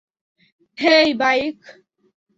হেই, bike!